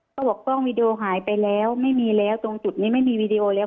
เขาบอกกล้องวีดีโอหายไปแล้วไม่มีแล้วตรงจุดนี้ไม่มีวีดีโอแล้ว